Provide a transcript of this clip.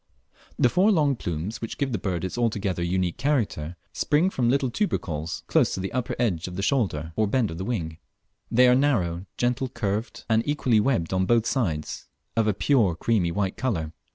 The four long white plumes which give the bird its altogether unique character, spring from little tubercles close to the upper edge of the shoulder or bend of the wing; they are narrow, gentle curved, and equally webbed on both sides, of a pure creamy white colour.